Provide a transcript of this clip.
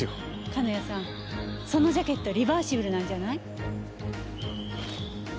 金谷さんそのジャケットリバーシブルなんじゃない？